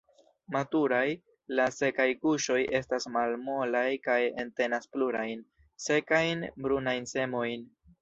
Maturaj, la sekaj guŝoj estas malmolaj kaj entenas plurajn, sekajn, brunajn semojn.